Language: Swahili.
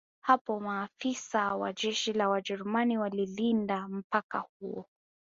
Hapo maafisa wa jeshi la Wajerumani walilinda mpaka huo